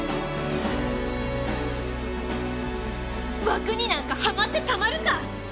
枠になんかはまってたまるか！